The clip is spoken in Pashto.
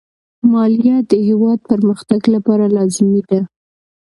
مالیه د هېواد پرمختګ لپاره لازمي ده.